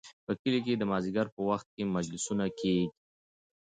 په کلي کې د مازدیګر په وخت کې مجلسونه کیږي.